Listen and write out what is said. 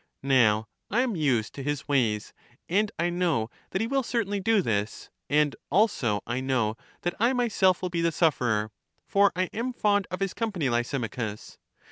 Now I am used to his ways ; and I know that he will certainly do this : and also I know that I myself will be the sufferer; for I am fond of his company, Lysimachus.